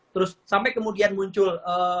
terus sampai kemudian muncul